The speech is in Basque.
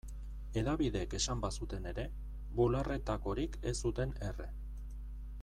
Hedabideek esan bazuten ere, bularretakorik ez zuten erre.